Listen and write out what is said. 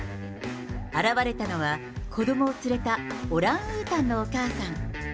現れたのは、子どもを連れたオランウータンのお母さん。